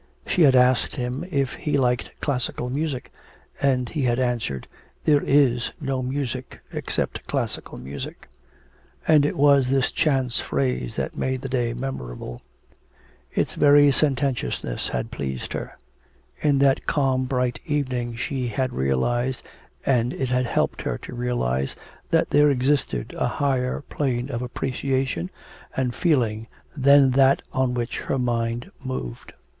She had asked him if he liked classical music, and he had answered, 'There is no music except classical music.' And it was this chance phrase that made the day memorable; its very sententiousness had pleased her; in that calm bright evening she had realised and it had helped her to realise that there existed a higher plane of appreciation and feeling than that on which her mind moved.